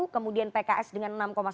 kemudian pks dengan enam satu